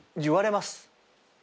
言われます。